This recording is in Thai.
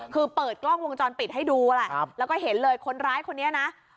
คือเปิดกล้องวงจรปิดให้ดูแหละแล้วก็เห็นเลยคนร้ายคนนี้นะ